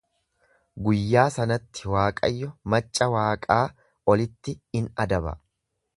Guyyaa sanatti Waaqayyo macca waaqaa olitti in adaba.